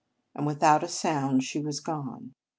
and without a sound she was gone.